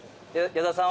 ［矢田さん